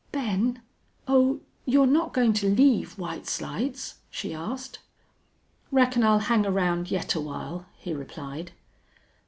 "Ben! Oh, you're not going to leave White Slides?" she asked. "Reckon I'll hang around yet awhile," he replied.